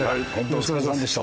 お疲れさんでした。